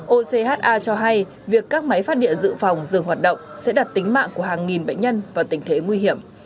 ocha cho hay việc các máy phát điện dự phòng dừng hoạt động sẽ đặt tính mạng của hàng nghìn bệnh nhân vào tình thế nguy hiểm